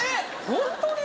ホントに？